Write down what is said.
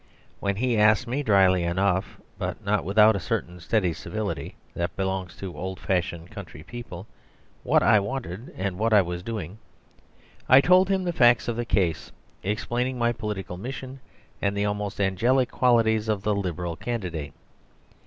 When he asked me, dryly enough, but not without a certain steady civility that belongs to old fashioned country people, what I wanted and what I was doing, I told him the facts of the case, explaining my political mission and the almost angelic qualities of the Liberal candidate.